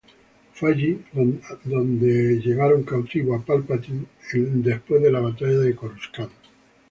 Fue allí donde Palpatine fue llevado cautivo durante la batalla de Coruscant.